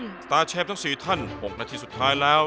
สตาร์เชฟทั้ง๔ท่าน๖นาทีสุดท้ายแล้ว